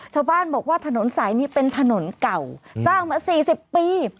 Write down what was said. ชาวบ้านบอกว่าถนนสายนี้เป็นถนนเก่าสร้างมา๔๐ปี